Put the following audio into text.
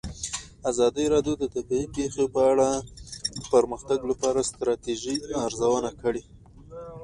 ازادي راډیو د طبیعي پېښې په اړه د پرمختګ لپاره د ستراتیژۍ ارزونه کړې.